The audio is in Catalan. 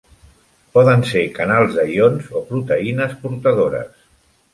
Poden ser canals de ions o proteïnes portadores.